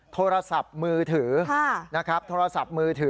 ๑โทรศัพท์มือถือนะครับ